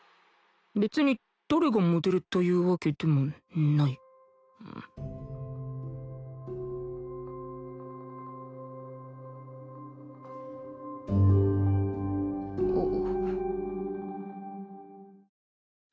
別に誰がモデルというわけでもないあっ。